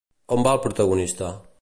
On va el protagonista?